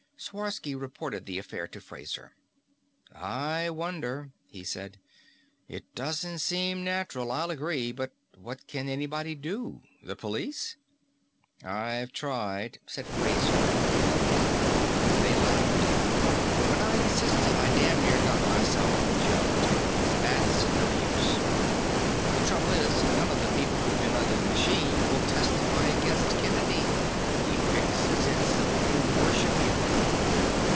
Sworsky reported the affair to Fraser. "I wonder," he said. "It doesn't seem natural, I'll agree. But what can anybody do? The police?" "I've tried," said Fraser dully. "They laughed. When I insisted, I damn near got myself jugged. That's no use. The trouble is, none of the people who've been under the machine will testify against Kennedy. He fixes it so they worship him."